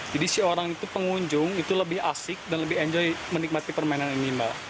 jadi si orang itu pengunjung itu lebih asik dan lebih enjoy menikmati permainan ini